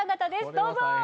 どうぞ。